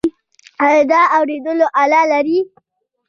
ایا د اوریدلو آله لرئ؟